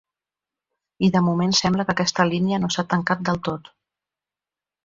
I de moment sembla que aquesta línia no s’ha tancat del tot.